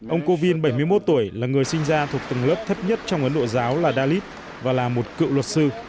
ông kovin bảy mươi một tuổi là người sinh ra thuộc tầng lớp thấp nhất trong ấn độ giáo là dalit và là một cựu luật sư